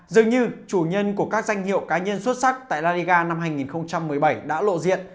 dường như chủ nhân của các danh hiệu cá nhân xuất sắc tại lariga năm hai nghìn một mươi bảy đã lộ diện